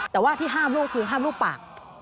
แต่ว่าที่ห้ามลูกคือห้ามลูกปาก